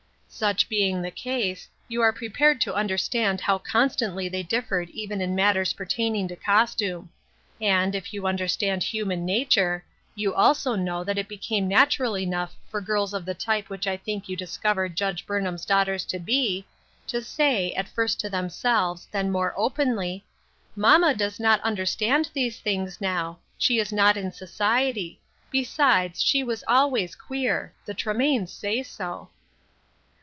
Such being the case, you are prepared to under stand how constantly they differed even in matters pertaining to costume. And, if you understand human nature, you also know that it became natu ral enough for girls of the type which I think you discover Judge Burnham's daughters to be, to say, at first to themselves, then more openly: "Mamma does not understand these things now ; she is not in society. Besides, she was always queer ; the Tremaines say so."